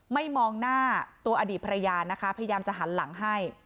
มองหน้าตัวอดีตภรรยานะคะพยายามจะหันหลังให้